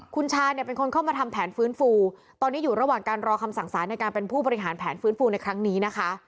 คุณชาเนี่ยเป็นคนเข้ามาทำแผนฟื้นฟูตอนนี้อยู่ระหว่างการรอคำสั่งสารในการเป็นผู้บริหารแผนฟื้นฟูในครั้งนี้นะคะ